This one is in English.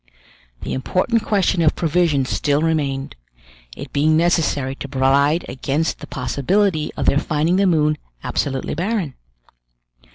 The important question of provisions still remained; it being necessary to provide against the possibility of their finding the moon absolutely barren.